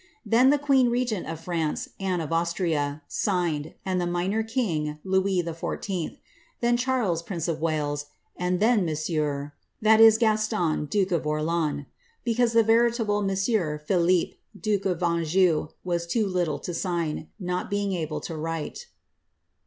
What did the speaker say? Then the queen regent of France, Anne of Austria, signed, and the minor king, Louis XIV. ; then Charles, prince of Wales; and then Monsieur^ (Gaston, duke of Orleans,) because the vtrUable Monsieur^ Phillippe, duke of Anjou, was too little to sign, not being able to write.''